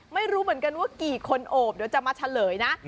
ไม่รู้เหมือนกันว่ากี่คนโอบเดี๋ยวจะมาเฉลยนะ